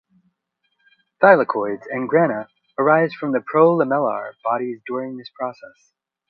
Thylakoids and grana arise from the prolamellar bodies during this process.